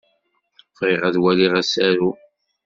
Bɣiɣ ad waliɣ asaru.